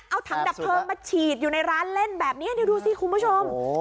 เอาถังดับเพลิงมาฉีดอยู่ในร้านเล่นแบบนี้เดี๋ยวดูสิคุณผู้ชม